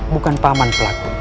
bukan paman pelaku